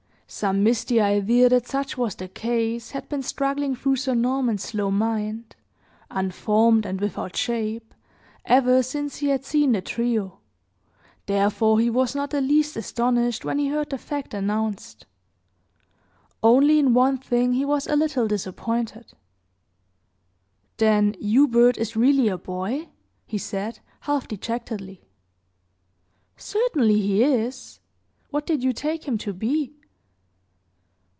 Some misty idea that such was the case had been struggling through Sir Norman's slow mind, unformed and without shape, ever since he had seen the trio, therefore he was not the least astonished when he heard the fact announced. Only in one thing he was a little disappointed. "Then Hubert is really a boy?" he said, half dejectedly. "Certainly he is. What did you take him to be?"